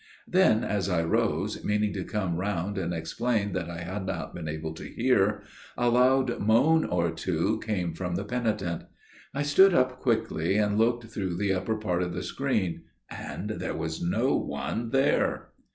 Then, as I rose, meaning to come round and explain that I had not been able to hear, a loud moan or two came from the penitent. I stood up quickly and looked through the upper part of the screen, and there was no one there.